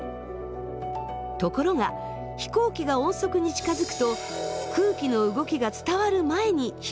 ところが飛行機が音速に近づくと空気の動きが伝わる前に飛行機が到達。